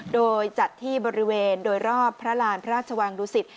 โดยจัดที่บริเวณโดยรอบพระราณพระราชวังดุสิต